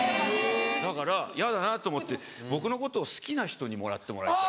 だから嫌だなと思って僕のことを好きな人にもらってもらいたい。